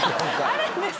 あるんですか！？